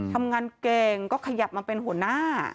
ทำงานเก่งก็ขยับมาเป็นหัวหน้า